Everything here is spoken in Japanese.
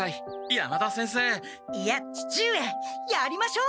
山田先生いや父上やりましょう！